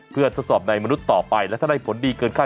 เพื่อทดสอบในมนุษย์ต่อไปและถ้าได้ผลดีเกินคาด